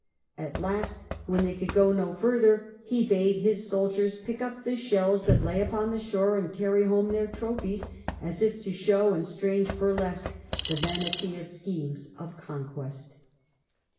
At last when they could go no further he bade his soldiers pick up the Ludicrout shells that lay upon the shore and carry home their trophies as if to show in strange burlesque the vanity of schemes of conquest.